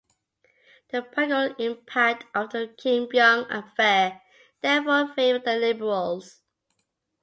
The political impact of the King-Byng Affair therefore favoured the Liberals.